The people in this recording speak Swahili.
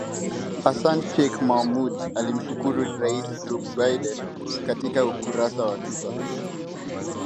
Hassan Sheikh Mohamud alimshukuru Rais Joe Biden katika ukurasa wa Twitter